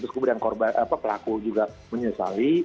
kemudian pelaku juga menyesali